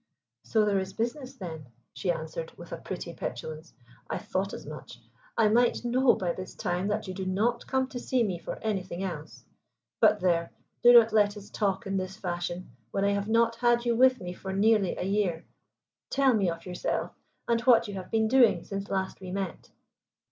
"So there is business then?" she answered with a pretty petulance. "I thought as much. I might know by this time that you do not come to see me for anything else. But there, do not let us talk in this fashion when I have not had you with me for nearly a year. Tell me of yourself, and what you have been doing since last we met."